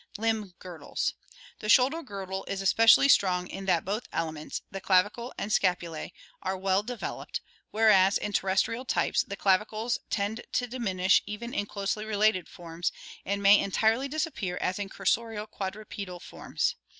Limb Girdles.— The shoulder girdle especially is strong in that both elements, the clavicles and scapula;, are well developed, whereas in terrestrial types the clavicles tend to diminish, even in closely related forms, and may entirely disappear as in cursorial quadrupedal forms.